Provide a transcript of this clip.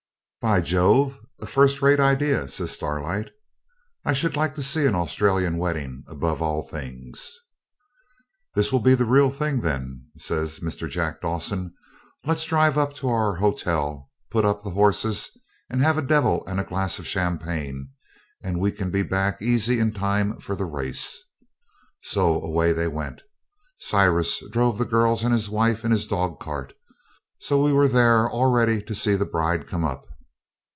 'By Jove! a first rate ideah,' says Starlight. 'I should like to see an Australian wedding above all things.' 'This will be the real thing, then,' says Mr. Jack Dawson. 'Let's drive up to our hotel, put up the horses, have a devil and a glass of champagne, and we can be back easy in time for the race.' So away they went. Cyrus drove the girls and his wife in his dogcart, so we were there all ready to see the bride come up.